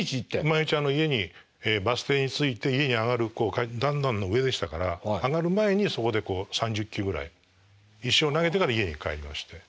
毎日家にバス停に着いて家に上がる段々の上でしたから上がる前にそこで３０球ぐらい石を投げてから家に帰りまして。